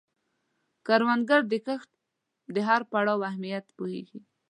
کروندګر د کښت د هر پړاو اهمیت پوهیږي